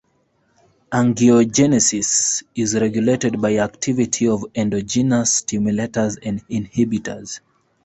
Angiogenesis is regulated by the activity of endogenous stimulators and inhibitors.